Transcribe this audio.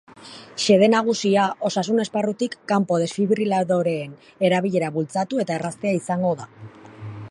Xede nagusia, osasun esparrutik kanpo desfibriladoreen erabilera bultzatu eta erraztea izango da.